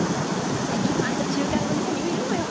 駅前の中華屋のお店にいるのよ